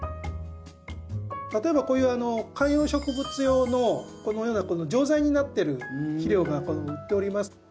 例えばこういう観葉植物用のこのような錠剤になってる肥料が売っております。